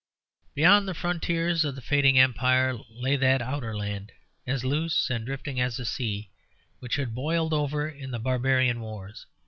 Beyond the frontiers of the fading Empire lay that outer land, as loose and drifting as a sea, which had boiled over in the barbarian wars.